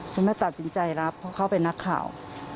คุณแม่ตัดสินใจรับเพราะเขาเป็นนักข่าว